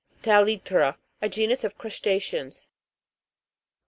TAH'TRA. A genus of crusta'ceans.